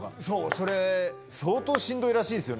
それ相当しんどいらしいですよね。